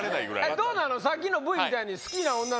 どうなの？